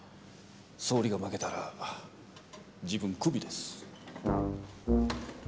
総理が負けたら自分クビです。